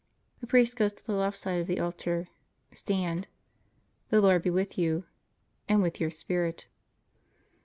The priest goes to the left side of the altar. Stand The Lord be with you. And with your spirit.